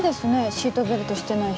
シートベルトしてない人。